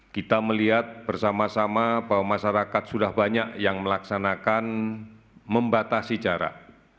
kita melihat bersama sama bahwa masyarakat sudah banyak yang melaksanakan membatasi jarak